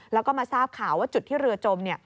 แล้วก็มาทราบข่าวว่าจุดที่เรือจม